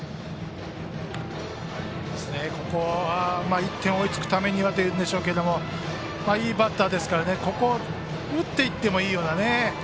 ここは１点、追いつくためにはですがいいバッターですからここは打っていってもいいような。